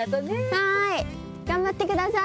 はい頑張ってください。